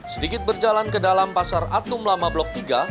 sedikit berjalan ke dalam pasar atum lama blok tiga